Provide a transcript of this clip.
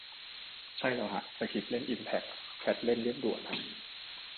ใช่แล้วฮะ สคริปเล่นอิมแพค แคทเล่นเลียบด่วนฮะ